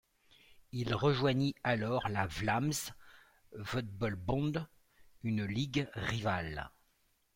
Il rejoignit alors la Vlaams Voetbal Bond, une ligue rivale.